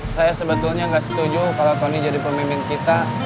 saya sebetulnya nggak setuju kalau tony jadi pemimpin kita